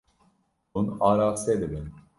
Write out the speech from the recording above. Hûn araste dibin.